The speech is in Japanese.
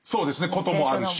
こともあるし。